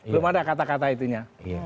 belum ada kata kata itunya